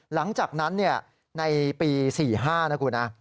หลังจากนั้นในปี๔๕นะคุณนะ